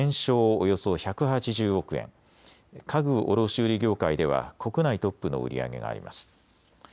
およそ１８０億円、家具卸売業界では国内トップの売り上げがあります。